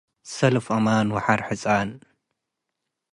ሰልፍ አማን ወሐር ሕጻን።